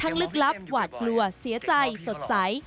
ลึกลับหวาดกลัวเสียใจสดใส